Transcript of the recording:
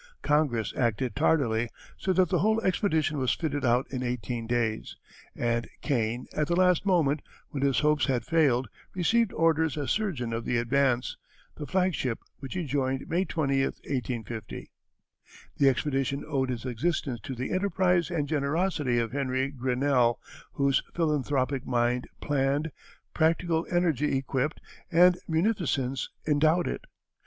Congress acted tardily, so that the whole expedition was fitted out in eighteen days, and Kane at the last moment, when his hopes had failed, received orders as surgeon of the Advance, the flagship, which he joined May 20, 1850. The expedition owed its existence to the enterprise and generosity of Henry Grinnell, whose philanthropic mind planned, practical energy equipped, and munificence endowed it.